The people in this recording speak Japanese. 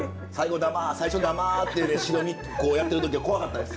最初黙って白身こうやってる時は怖かったです。